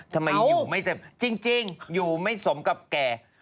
ทำไมจริงอยู่ไม่สมกับแก